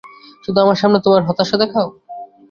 শুধু আমার সামনে তোমার হতাশা দেখাও।